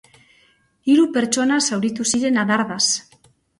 Hiru pertsona zauritu ziren adardaz.